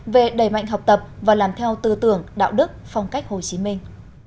về đẩy mạnh học tập và làm theo tư tưởng đạo đức phong cách hồ chí minh